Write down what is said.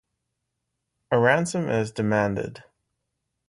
A ransom is demanded.